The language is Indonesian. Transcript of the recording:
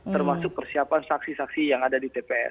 termasuk persiapan saksi saksi yang ada di tps